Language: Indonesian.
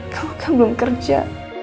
kalo kamu belum kerja